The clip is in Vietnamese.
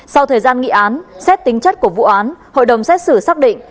sau thời gian nghị án xét tính chất của vụ án hội đồng xét xử xác định